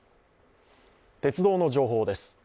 鉄道の情報です。